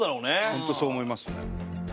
本当そう思いますね。